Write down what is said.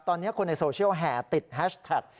ตอนนี้คนในโซเชียลแห่ติดแฮชแท็ก